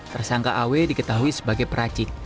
tersangka aw diketahui sebagai peracik